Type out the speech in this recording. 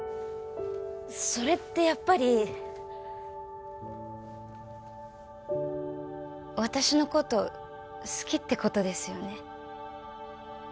それってやっぱり私のこと好きってことですよね？